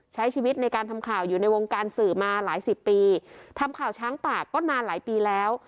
ใช้ชีวิตในการทำข่าวอยู่ในวงการสื่อมาหลายสิบปีทำข่าวช้างป่าก็นานหลายปีแล้ว